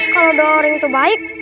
kalo doa orang itu baik